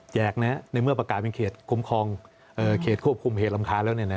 ในเมื่อประกาศเป็นเขตคุ้มครองเขตควบคุมเหตุรำคาญแล้ว